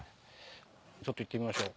ちょっといってみましょう。